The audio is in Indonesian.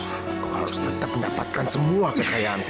aku harus tetap mendapatkan semua kekayaan cleo